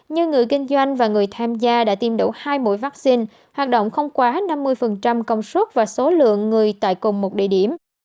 như người kinh doanh và người tham gia đã tiêm đủ hai mũi vaccine hoạt động không quá năm mươi công suất và số lượng người tại cùng một địa điểm